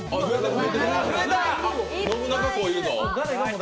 信長公いるぞ。